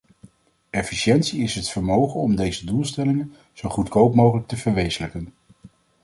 Efficiëntie is het vermogen om deze doelstellingen zo goedkoop mogelijk te verwezenlijken.